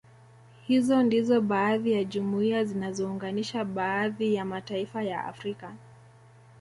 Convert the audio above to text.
Hizo ndizo baadhi ya jumuiya zinazounganisha baadhi ya mataifa ya Afrika